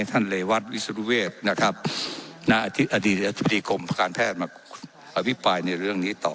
ท่านเรวัตย์วิทยุเวียบออธิปฏิกรมการแพทย์มาอภิมภายในเรื่องนี้ต่อ